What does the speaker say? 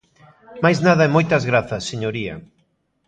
Máis nada e moias grazas, señoría.